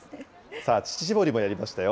さあ、乳搾りもやりましたよ。